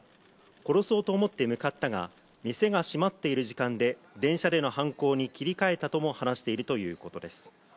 殺そうと思って向かったが店が閉まっている時間で電車での犯行に切り替えたとも話しているということです。